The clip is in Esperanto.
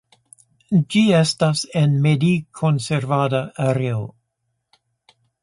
Ĝi estas en medikonservada areo.